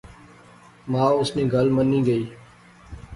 ما اس نی گل منی گئی